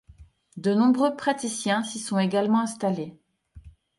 De nombreux praticiens s'y sont également installés.